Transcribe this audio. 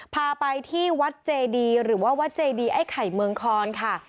พาไปที่วัดเจดีหรือว่าวัดเจดีไอ้ไข่เมืองคอนค่ะ